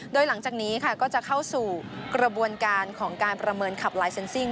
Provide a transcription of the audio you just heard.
โดยหลังจากนี้ค่ะก็จะเข้าสู่กระบวนการของการประเมินขับลายเซ็นซิ่ง